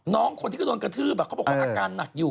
น้องคนที่ก็โดนกระทืบเขาบอกว่าอาการหนักอยู่